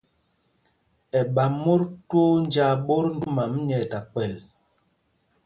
Ɛ ɓa mot twóó njāā ɓot ndom nyɛ ta kpɛl.